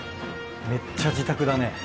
めっちゃ自宅だね。